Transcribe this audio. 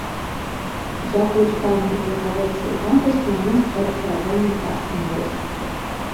Дзякуючы таленту палкаводца і храбрасці нанёс шэраг паражэнняў царскім войскам.